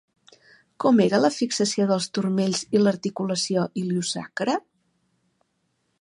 Com era la fixació dels turmells i l'articulació iliosacra?